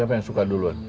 siapa yang suka duluan